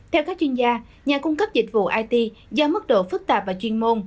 theo các chuyên gia nhà cung cấp dịch vụ it do mức độ phức tạp và chuyên môn